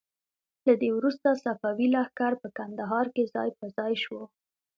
له دې وروسته صفوي لښکر په کندهار کې ځای په ځای شو.